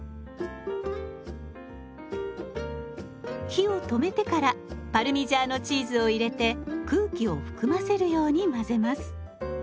火を止めてからパルミジャーノチーズを入れて空気を含ませるように混ぜます。